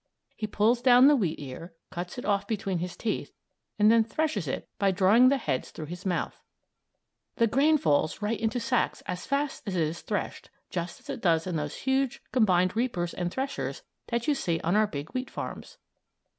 He pulls down the wheat ear, cuts it off between his teeth, and then threshes it by drawing the heads through his mouth. The grain falls right into sacks as fast as it is threshed; just as it does in those huge, combined reapers and threshers that you see on our big wheat farms.